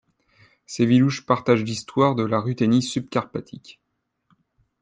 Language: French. Sévliouche partage l'histoire de la Ruthénie subcarpatique.